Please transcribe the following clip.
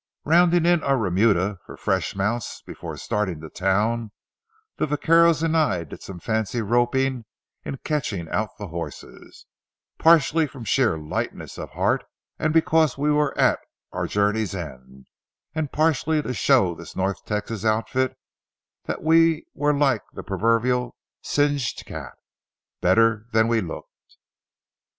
Rounding in our remuda for fresh mounts before starting to town, the vaqueros and I did some fancy roping in catching out the horses, partially from sheer lightness of heart because we were at our journey's end, and partially to show this north Texas outfit that we were like the proverbial singed cat—better than we looked.